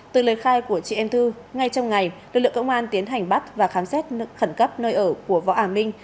từ lời khai của chị em thư ngay trong ngày lực lượng công an tiến hành bắt và khám xét khẩn cấp nơi ở của võ ả minh